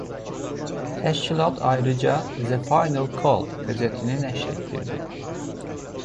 Təşkilat ayrıca "The Final Call" qəzetini nəşr etdirir.